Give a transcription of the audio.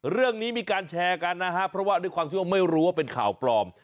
เรื่องนี้มีการแชร์กันนะฮะเพราะว่าด้วยความที่ว่าไม่รู้ว่าเป็นข่าวปลอม